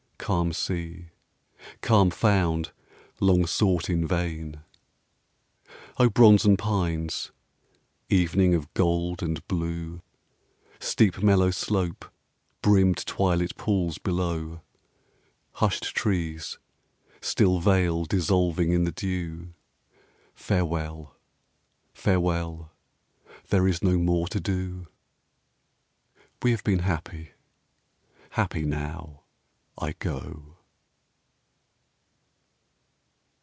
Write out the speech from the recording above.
Calm sea! Calm found, long sought in vain. O bronzen pines, evening of gold and blue, Steep mellow slope, brimmed twilit pools below, Hushed trees, still vale dissolving in the dew, Farewell! Farewell! There is no more to do. We have been happy. Happy now I go.